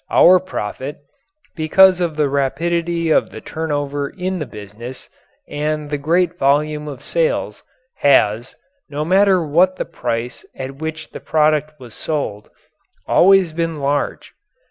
Our profit, because of the rapidity of the turnover in the business and the great volume of sales, has, no matter what the price at which the product was sold, always been large.